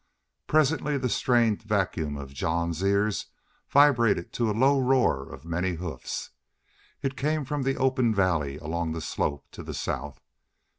Presently the strained vacuum of Jean's ears vibrated to a low roar of many hoofs. It came from the open valley, along the slope to the south.